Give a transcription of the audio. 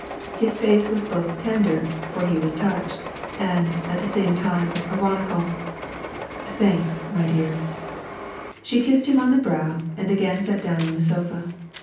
His face was both tender (for he was touched) and, at the same time, ironical. " Thanks, my dear." She kissed him on the brow and again sat down on the sofa.